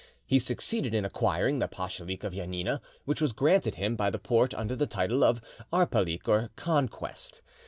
He succeeded in acquiring the pachalik of Janina, which was granted him by the Porte under the title of "arpalik," or conquest.